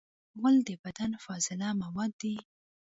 غول د بدن فاضله مواد دي.